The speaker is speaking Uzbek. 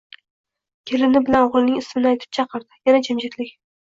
Kelini bilan o`g`lining ismini aytib chaqirdi, yana jimjitlik